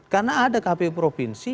karena ada kpu provinsi